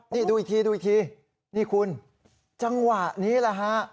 นี่ดูอีกทีดูอีกทีนี่คุณจังหวะนี้แหละฮะ